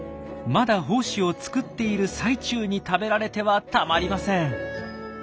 まだ胞子を作っている最中に食べられてはたまりません。